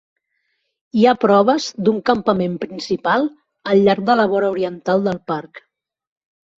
Hi ha proves d'un campament principal al llarg de la vora oriental del parc.